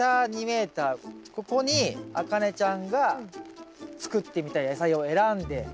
ここにあかねちゃんが作ってみたい野菜を選んで。